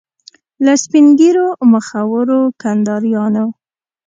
له سپین ږیرو مخورو کنداریانو.